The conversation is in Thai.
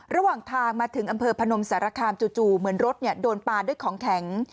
ระหว่างทางมาถึงอำเภอพนมสารคามจู่เหมือนรถโดนปลาด้วยของแข็ง